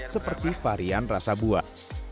seperti varian rasa buah